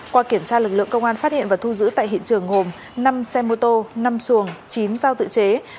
qua kiểm tra lực lượng công an phát hiện và thu giữ tại hiện trường gồm năm xe mô tô năm xuồng chín dao tự chế